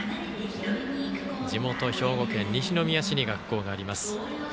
地元・兵庫県西宮市に学校があります。